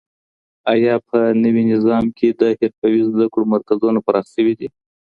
آیا په نوي نظام کي د حرفوي زده کړو مرکزونه پراخ سوي دي؟